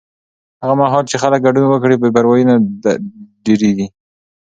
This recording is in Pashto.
هغه مهال چې خلک ګډون وکړي، بې پروایي نه ډېرېږي.